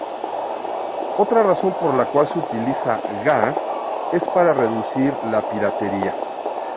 Otra razón por la cual se utiliza GaaS es para reducir la piratería.